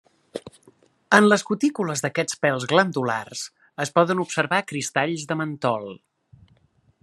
En les cutícules d'aquests pèls glandulars, es poden observar cristalls de mentol.